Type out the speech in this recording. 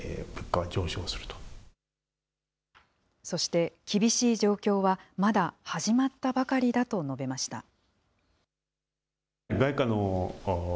そして厳しい状況はまだ始まったばかりだと述べました。